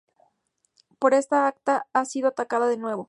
Pero esta acta ha sido atacada de nuevo.